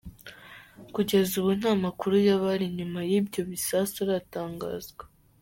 Kugeza ubu nta makuru y’abari inyuma y’ibyo bisasu aratangazwa.